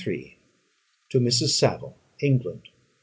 _To Mrs. Saville, England.